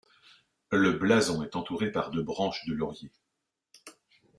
Le blason est entouré par deux branches de laurier.